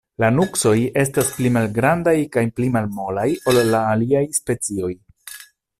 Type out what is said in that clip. La nuksoj estas pli malgrandaj kaj pli malmolaj, ol la aliaj specioj.